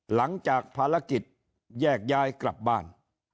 หลังจากภารกิจแยกย้ายกลับบ้าน